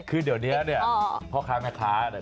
คือเดี๋ยวนี้เนี่ยพ่อค้าแม่ค้าเนี่ย